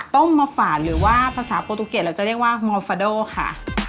ต้มมาฝ่านหรือว่าภาษาโปรตูเกตเราจะเรียกว่ามอลฟาโดค่ะ